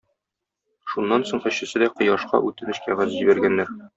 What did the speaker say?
Шуннан соң өчесе дә Кояшка үтенеч кәгазе җибәргәннәр.